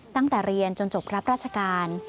ตั้งแต่เรียนจนจบรับราชการ